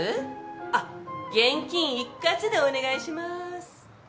あっ現金一括でお願いします。